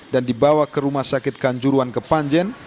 dan dibawa ke rumah sakit kanjuruan kepanjen